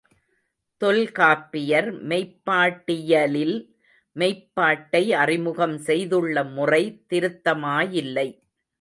தொல்காப்பியர் மெய்ப்பாட்டியலில் மெய்ப்பாட்டை அறிமுகம் செய்துள்ள முறை திருத்தமாயில்லை.